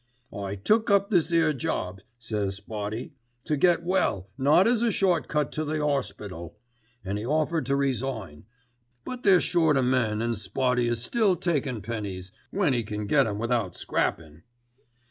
"'I took up this 'ere job,' says Spotty, 'to get well, not as a short cut to the 'orspital,' and he offered to resign; but they're short o' men an' Spotty is still takin' pennies, when 'e can get 'em without scrappin'.